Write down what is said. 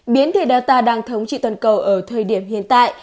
biến thể data đang thống trị toàn cầu ở thời điểm hiện tại